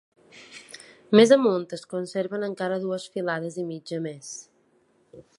Més amunt es conserven encara dues filades i mitja més.